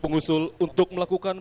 pengusul untuk melakukan